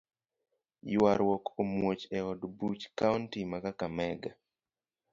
Yuaruok omuoch eod buch Kaunti ma kakamega.